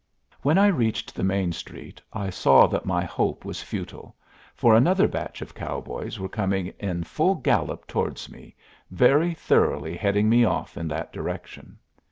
When I reached the main street I saw that my hope was futile, for another batch of cowboys were coming in full gallop towards me, very thoroughly heading me off in that direction.